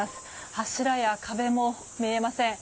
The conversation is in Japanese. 柱や壁も見えません。